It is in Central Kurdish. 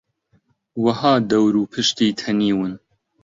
وەها دەور و پشتی تەنیون